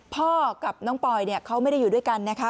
พ่อกับน้องปอยเขาไม่ได้อยู่ด้วยกันนะคะ